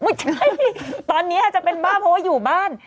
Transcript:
จริงตอนนี้อาจจะเป็นบ้าเพราะว่าอยู่บ้าน